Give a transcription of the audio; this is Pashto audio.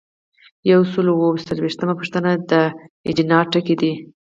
یو سل او اووه څلویښتمه پوښتنه د اجنډا ټکي دي.